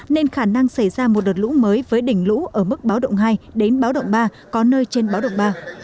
nên khả năng xảy ra một đợt lũ mới với đỉnh lũ ở mức báo động hai đến báo động ba có nơi trên báo động ba